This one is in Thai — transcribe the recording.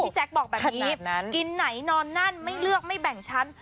แจ๊คบอกแบบนี้กินไหนนอนนั่นไม่เลือกไม่แบ่งชั้น